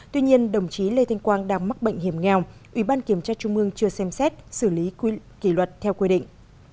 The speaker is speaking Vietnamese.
tuy nhiên đồng chí lê thanh quang đang mắc bệnh hiểm nghèo ủy ban kiểm tra trung mương chưa xem xét xử lý kỷ luật theo quy định